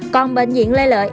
còn bệnh viện lê lợi